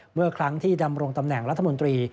เมื่อครั้งที่ดำรงตำแหน่งรัฐมนตรี